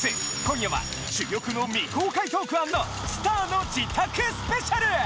今夜は、珠玉の未公開トーク＆スターの自宅スペシャル。